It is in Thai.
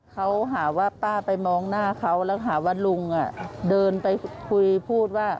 เขาหาว่าป้าไปมองหน้าเขาแล้วหาว่าลุงเดินไปคุยพูดว่า